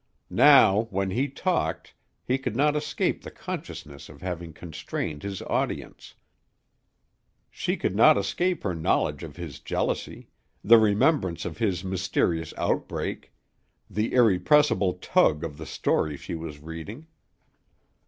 Now, when he talked, he could not escape the consciousness of having constrained his audience; she could not escape her knowledge of his jealousy, the remembrance of his mysterious outbreak, the irrepressible tug of the story she was reading.